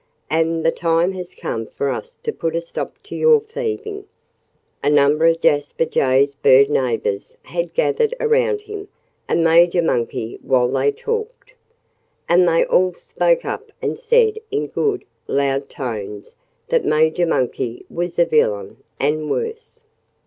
And the time has come for us to put a stop to your thieving." A number of Jasper Jay's bird neighbors had gathered around him and Major Monkey while they talked. And they all spoke up and said in good, loud tones that Major Monkey was a villain and worse.